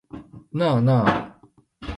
なあなあ